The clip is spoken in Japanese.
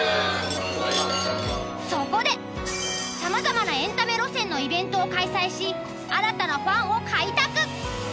そこでさまざまなエンタメ路線のイベントを開催し新たなファンを開拓。